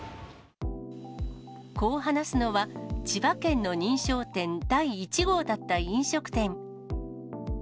こう話すのは、千葉県の認証店第１号だった飲食店。